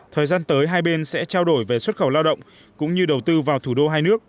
thời gian tới hai bên sẽ trao đổi về xuất khẩu lao động cũng như đầu tư vào thủ đô hai nước